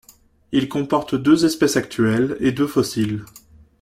Il comporte deux espèces actuelles et deux fossiles.